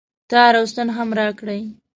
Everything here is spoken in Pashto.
تار او ستن هم راکړئ